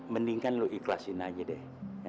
mending kan lo ikhlasin aja deh